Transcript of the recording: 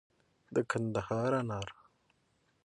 د کندهار انار